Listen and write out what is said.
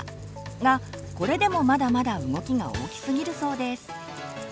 がこれでもまだまだ動きが大きすぎるそうです。